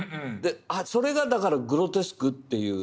それがだからグロテスクっていう。